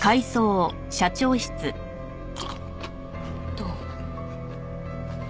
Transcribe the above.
どう？